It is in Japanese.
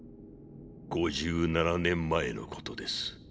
５７年前のことです。